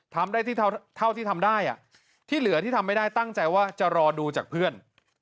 ทำได้ที่เท่าที่ทำได้ที่เหลือที่ทำไม่ได้ตั้งใจว่าจะรอดูจากเพื่อน